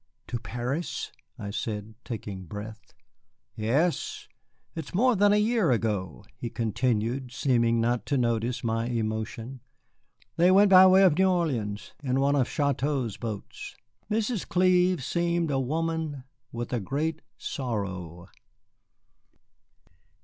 "To Paris?" I said, taking breath. "Yes. It is more than a year ago," he continued, seeming not to notice my emotion; "they went by way of New Orleans, in one of Chouteau's boats. Mrs. Clive seemed a woman with a great sorrow."